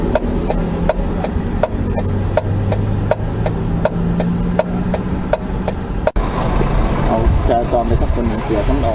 เมื่อเวลาอันดับสุดท้ายมันกลายเป็นภูมิที่สุดท้าย